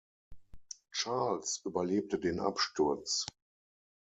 Charles überlebte den Absturz.